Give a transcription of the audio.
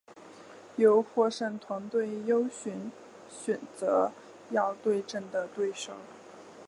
由获胜团队优先选择要对阵的对手。